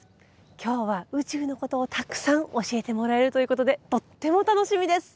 今日は宇宙のことをたくさん教えてもらえるということでとっても楽しみです。